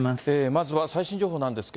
まずは最新情報なんです